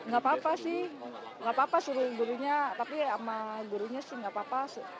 gak apa apa sih nggak apa apa suruh gurunya tapi sama gurunya sih nggak apa apa